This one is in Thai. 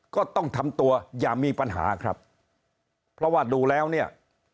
ก็ต้องทำตัวอย่ามีปัญหาครับเพราะว่าดูแล้วเนี่ย